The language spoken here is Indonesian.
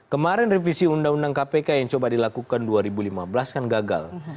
kemarin revisi undang undang kpk yang coba dilakukan dua ribu lima belas kan gagal